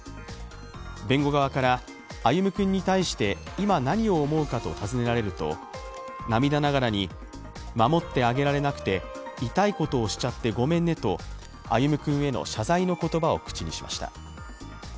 弁護側から、歩夢君に対して今、何を思うかと尋ねられると涙ながらに守ってあげられなくて痛いことをしちゃってごめんねと歩夢くんへの謝罪の言葉を口にしました。